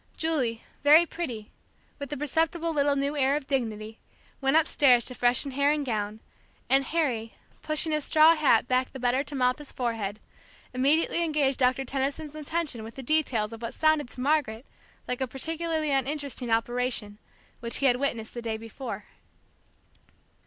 Julie, very pretty, with a perceptible little new air of dignity, went upstairs to freshen hair and gown, and Harry, pushing his straw hat back the better to mop his forehead, immediately engaged Doctor Tenison's attention with the details of what sounded to Margaret like a particularly uninteresting operation, which he had witnessed the day before.